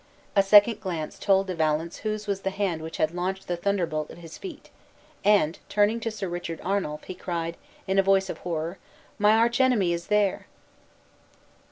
A second glance told De Valence whose was the hand which had launched the thunderbolt at his feet; and, turning to Sir Richard Arnuf, he cried, in a voice of horror, "My arch enemy is there!"